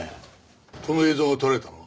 この映像が撮られたのは？